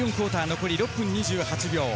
残り６分２８秒。